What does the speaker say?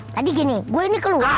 tadi gini gue ini keluar